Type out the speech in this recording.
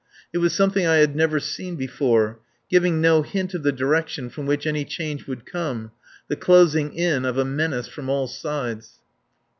It was something I had never seen before, giving no hint of the direction from which any change would come, the closing in of a menace from all sides.